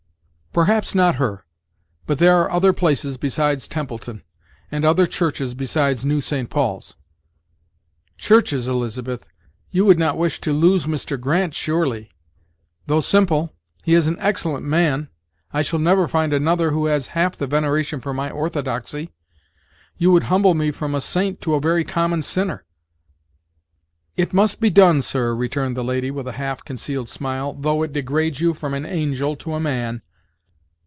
"Perhaps not her; but there are other places besides Templeton, and other churches besides 'New St. Paul's.'" "Churches, Elizabeth! you would not wish to lose Mr. Grant, surely! Though simple, he is an excellent man I shall never find another who has half the veneration for my orthodoxy. You would humble me from a saint to a very common sinner." "It must be done, sir," returned the lady, with a half concealed smile, "though it degrades you from an angel to a man."